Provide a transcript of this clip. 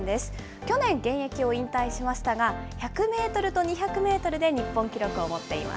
去年現役を引退しましたが、１００メートルと２００メートルで日本記録を持っています。